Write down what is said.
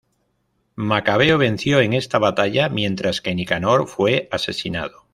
Macabeo venció en esta batalla, mientras que Nicanor fue asesinado.